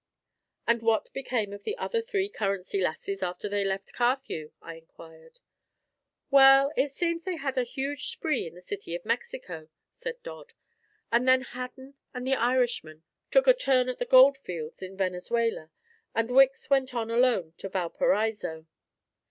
"And what became of the other three Currency Lasses after they left Carthew?" I inquired. "Well, it seems they had a huge spree in the city of Mexico," said Dodd; "and then Hadden and the Irishman took a turn at the gold fields in Venezuela, and Wicks went on alone to Valparaiso.